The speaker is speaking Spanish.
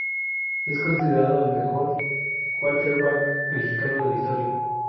Es considerado el mejor Quarterback mexicano de la historia.